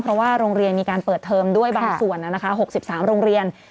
เพราะว่าโรงเรียนมีการเปิดเทอมด้วยบางส่วน๖๓โรงเรียน